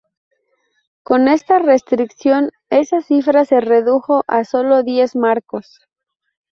Con esta restricción, esa cifra se redujo a sólo diez marcos.